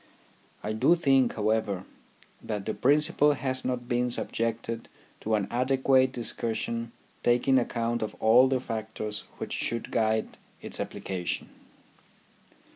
I do think, however, that the principle has not been subjected to an adequate discussion taking account of all the factors which should guide its application.